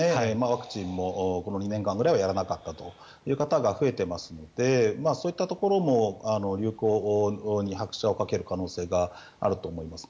ワクチンもこの２年間ぐらいはやらなかったという方が増えていますのでそういったところも流行に拍車をかける可能性があると思います。